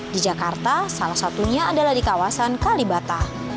di jakarta salah satunya adalah di kawasan kalibata